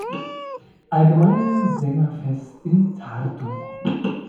Allgemeine Sängerfest in Tartu.